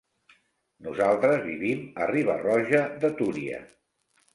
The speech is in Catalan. Nosaltres vivim a Riba-roja de Túria.